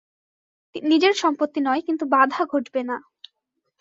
নিজের সম্পত্তি নয়, কিন্তু বাধা ঘটবে না।